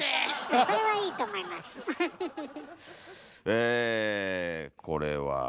えこれは。